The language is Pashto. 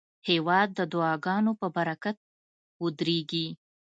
هېواد د دعاګانو په برکت ودریږي.